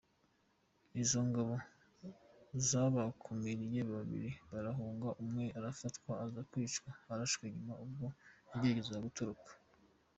Izo ngabo zabakumiriye, babiri barahunga umwe arafatwa aza kwicwa arashwe nyuma ubwo yageragezaga gutoroka.